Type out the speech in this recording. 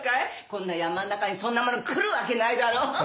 こんな山ん中にそんなもの来るわけないだろう。